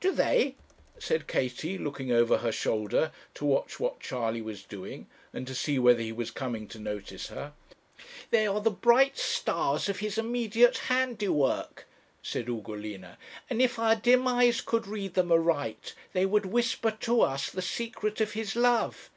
'Do they?' said Katie, looking over her shoulder to watch what Charley was doing, and to see whether he was coming to notice her. 'They are the bright stars of His immediate handiwork,' said Ugolina; 'and if our dim eyes could read them aright, they would whisper to us the secret of His love.'